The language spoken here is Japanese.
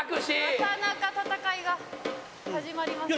なかなか戦いが始まりません。